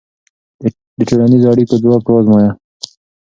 د ټولنیزو اړیکو ځواک وازمویه.